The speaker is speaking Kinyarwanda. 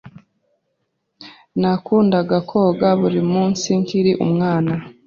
Nakundaga koga buri munsi nkiri umwana.